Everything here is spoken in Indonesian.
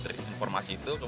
sebenarnya saya tidak tahu